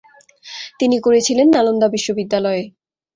তিনি করেছিলেন নালন্দা বিশ্ববিদ্যালয়ে।